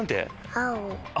青？